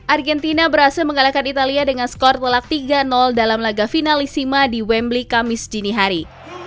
argentina berhasil mengalahkan italia dengan skor telak tiga dalam laga final isima di wembley kamis dinihari